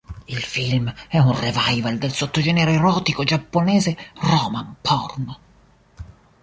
Il film è un revival del sottogenere erotico giapponese Roman Porno.